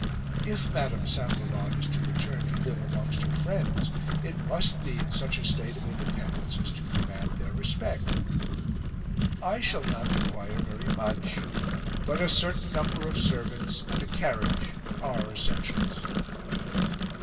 If Madame St. Laurent is to return to live amongst her friends, it must be in such a state of independence as to command their respect. I shall not require very much, but a certain number of servants and a carriage are essentials."